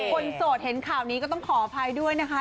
โสดเห็นข่าวนี้ก็ต้องขออภัยด้วยนะคะ